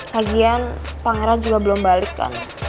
kajian pangeran juga belum balik kan